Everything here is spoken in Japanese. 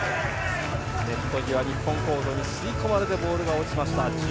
ネット際、日本コートに吸い込まれてボールが落ちた。